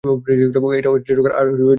এটা টুইট কর আর জেলে চলে যা।